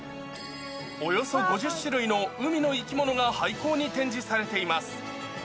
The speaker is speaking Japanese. およそ５０種類の海の生き物が廃校に展示されています。